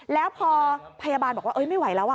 แล้วพอพยาบาลบอกว่าไม่ไหวแล้ว